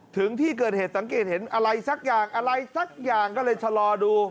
ถึงที่เกิดเหตุสังเกตเห็นอะไรสักอย่างอะไรสักอย่างก็เลยชะลอดู